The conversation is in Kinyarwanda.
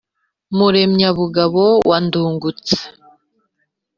Muremyabugabo wa Ndungutse